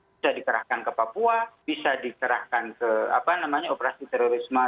bisa dikerahkan ke papua bisa dikerahkan ke operasi terorisme